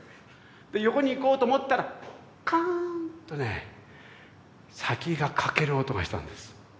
で横に行こうと思ったらカーンとね先が欠ける音がしたんです。